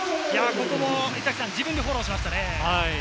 自分でフォローしましたね。